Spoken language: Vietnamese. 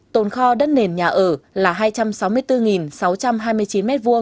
tồn kho đất nền nhà ở là hai trăm sáu mươi bốn sáu trăm hai mươi chín m hai